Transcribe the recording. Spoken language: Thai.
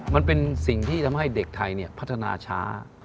มันเป็นสิ่งที่ทำให้เด็กไทยพัฒนาช้า